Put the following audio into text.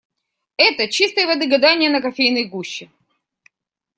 Это - чистой воды гадание на кофейной гуще.